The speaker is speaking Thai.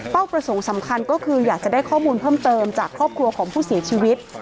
ประสงค์สำคัญก็คืออยากจะได้ข้อมูลเพิ่มเติมจากครอบครัวของผู้เสียชีวิต